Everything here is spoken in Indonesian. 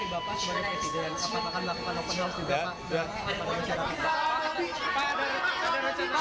ada open house nggak pak